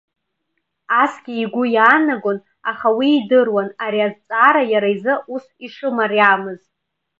Асгьы игәы иаанагон, аха уи идыруан ари азҵаара иара изы ус ишымариамыз.